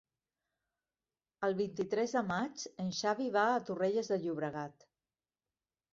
El vint-i-tres de maig en Xavi va a Torrelles de Llobregat.